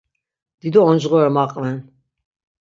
Dido oncğore maqven!